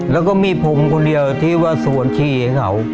แล้วก็มีผมคนเดียวที่ว่าสวนชีให้เขา